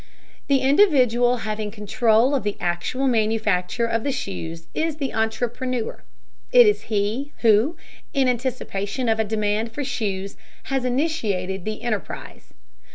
The individual having control of the actual manufacture of the shoes is the entrepreneur. It is he who, in anticipation of a demand for shoes, has initiated the enterprise.